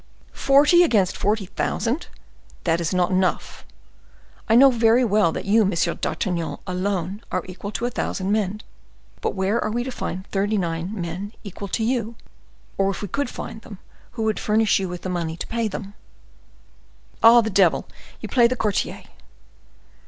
"Forty against forty thousand! that is not enough. I know very well that you, M. d'Artagnan, alone, are equal to a thousand men; but where are we to find thirty nine men equal to you? Or, if we could find them, who would furnish you with money to pay them?" "Not bad, Planchet. Ah, the devil! you play the courtier."